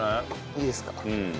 いいですか。